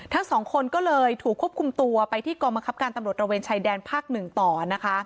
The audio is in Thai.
ทั้งสองคนก็เลยถูกควบคุมตัวไปที่กองบังคับการตำรวจระเวนชายแดนภาคหนึ่งต่อนะคะ